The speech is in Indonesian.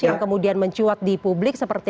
yang kemudian mencuat di publik seperti